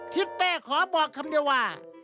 ทิศเป้ขอบอกคำเดียวว่า